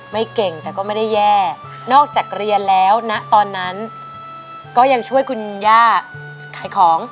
ไม่เก่งแต่ก็ไม่ได้แย่นอกจากเรียนแล้วนะตอนนั้นก็ยังช่วยคุณย่าขายของ